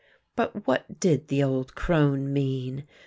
But what did the old crone mean?